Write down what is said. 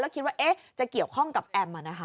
แล้วคิดว่าเอ๊ะจะเกี่ยวข้องกับแอมป์อ่ะนะคะ